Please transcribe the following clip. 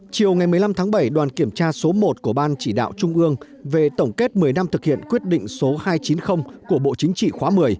chiều ngày một mươi năm tháng bảy đoàn kiểm tra số một của ban chỉ đạo trung ương về tổng kết một mươi năm thực hiện quyết định số hai trăm chín mươi của bộ chính trị khóa một mươi